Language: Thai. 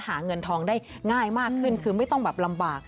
หาเงินทองได้ง่ายมากขึ้นคือไม่ต้องแบบลำบาก